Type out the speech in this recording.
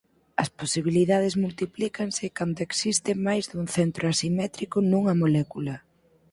As posibilidades multiplícanse cando existe máis dun centro asimétrico nunha molécula.